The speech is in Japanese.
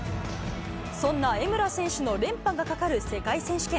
そんな江村選手の連覇がかかる世界選手権。